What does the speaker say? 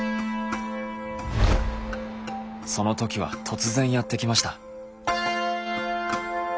そのときは突然やって来ました。